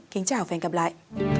kính chào và hẹn gặp lại